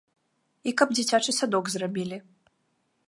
І каб дзіцячы садок зрабілі.